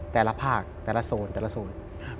แต่ละภาคแต่ละโซนแต่ละโซน